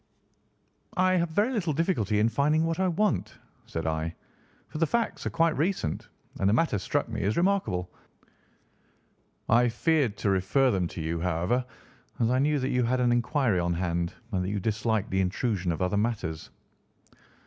"I have very little difficulty in finding what I want," said I, "for the facts are quite recent, and the matter struck me as remarkable. I feared to refer them to you, however, as I knew that you had an inquiry on hand and that you disliked the intrusion of other matters."